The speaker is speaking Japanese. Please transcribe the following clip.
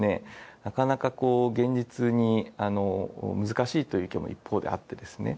なかなかこう現実に難しいという意見も一方であってですね。